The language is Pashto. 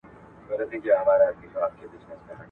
ټولنیز تعامل د اړیکو بنسټ جوړوي.